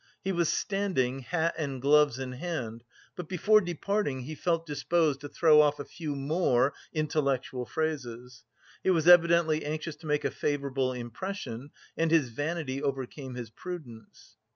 He was standing, hat and gloves in hand, but before departing he felt disposed to throw off a few more intellectual phrases. He was evidently anxious to make a favourable impression and his vanity overcame his prudence.